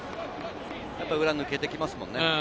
裏、抜けてきますもんね。